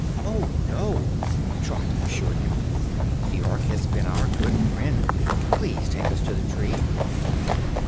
"Oh, no," Trot assured him; "the Ork has been our good friend. Please take us to the tree."